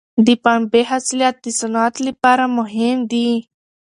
د پنبې حاصلات د صنعت لپاره مهم دي.